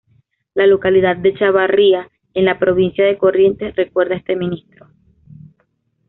La localidad de Chavarría, en la provincia de Corrientes, recuerda a este ministro.